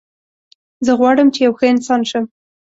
زه غواړم چې یو ښه انسان شم